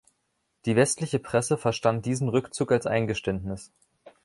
Die westliche Presse verstand diesen Rückzug als Eingeständnis.